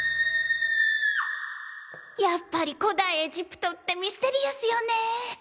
やっぱり古代エジプトってミステリアスよねぇ。